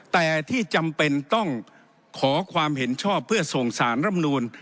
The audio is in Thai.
แต่ที่จำเป็นต้องขอความเห็นชอบเพื่อส่งสารรำนูล